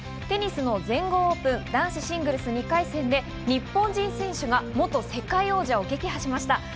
テニスの全豪オープン男子シングルス２回戦で日本人選手が元世界王者を撃破しました。